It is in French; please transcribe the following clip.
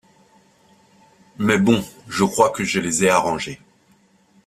Mais, bon, je crois que je les ai arrangés.